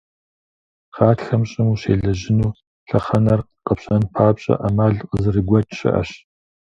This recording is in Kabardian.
Гъатхэм щӀым ущелэжьыну лъэхъэнэр къэпщӀэн папщӀэ, Ӏэмал къызэрыгуэкӀ щыӀэщ.